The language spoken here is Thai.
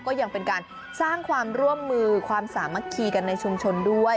ก็ยังเป็นการสร้างความร่วมมือความสามัคคีกันในชุมชนด้วย